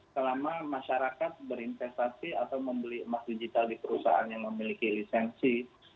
selama masyarakat berinvestasi atau membeli emas digital di perusahaan yang memiliki lisensi